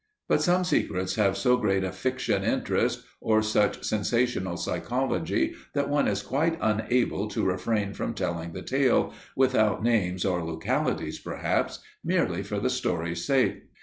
But some secrets have so great a fiction interest, or such sensational psychology that one is quite unable to refrain from telling the tale, without names, or localities, perhaps, merely for the story's sake.